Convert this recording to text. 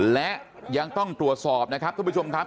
และยังต้องตรวจสอบนะครับท่านผู้ชมครับ